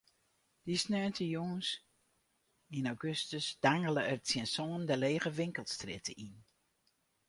Dy sneontejûns yn augustus dangele er tsjin sânen de lege winkelstrjitte yn.